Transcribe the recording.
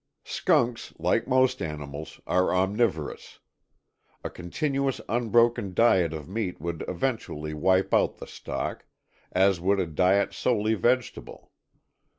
Skunks like most animals are omnivorous. A continuous unbroken diet of meat would eventually wipe out the stock; as would a diet solely vegetable.